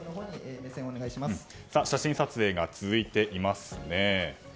写真撮影が続いていますね。